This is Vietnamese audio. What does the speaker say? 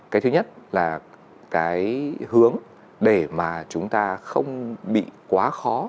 cái thứ nhất là cái hướng để mà chúng ta không bị quá khó